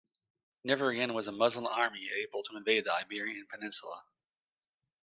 Never again was a Muslim army able to invade the Iberian Peninsula.